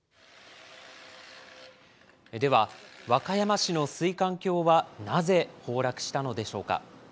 では、和歌山市の水管橋は、なぜ崩落したのでしょうか。